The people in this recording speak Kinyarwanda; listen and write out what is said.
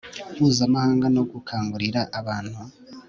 mpuzamahanga no gukangurira abantu